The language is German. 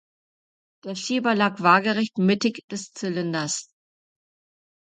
Der Schieber lag waagerecht mittig des Zylinders.